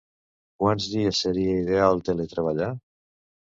Quants dies seria ideal teletreballar?